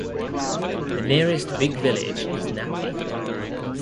The nearest big village is Nappi.